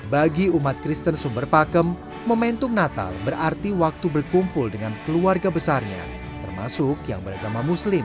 bagi umat kristen sumber pakem momentum natal berarti waktu berkumpul dengan keluarga besarnya termasuk yang beragama muslim